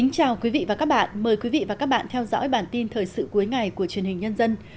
chào mừng quý vị đến với bản tin thời sự cuối ngày của truyền hình nhân dân